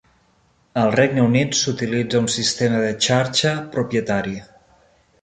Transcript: Al Regne Unit, s'utilitza un sistema de xarxa propietari.